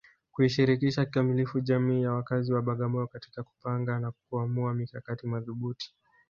kuishirikisha kikamilifu jamii ya wakazi wa Bagamoyo katika kupanga na kuamua mikakati madhubuti